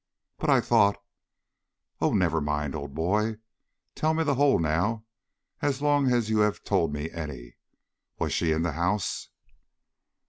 "But I thought " "Oh, never mind, old boy; tell me the whole now, as long as you have told me any. Was she in the house?"